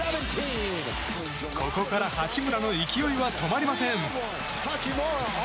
ここから八村の勢いは止まりません。